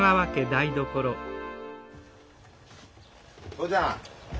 父ちゃん